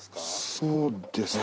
そうですね。